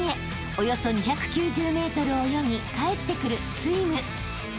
［およそ２９０ｍを泳ぎ帰ってくる］